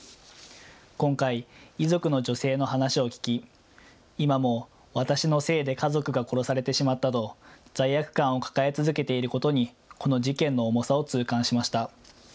今回、遺族の女性の話を聞き、今も私のせいで家族が殺されてしまったと罪悪感を抱え続けていることにこの事件の重さを痛感しました。